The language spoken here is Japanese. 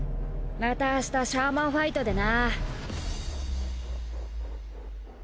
また明日シャーマンファイトでな。